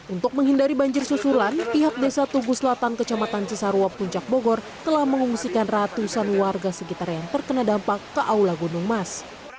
untuk menghindari banjir susulan pihak desa tugu selatan kecamatan cisarua puncak bogor telah mengungsikan ratusan warga sekitar yang terkena dampak ke aula gunung mas